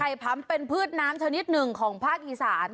ไข่พร้ำเป็นพืชน้ำชนิดหนึ่งของภาคอีศาสตร์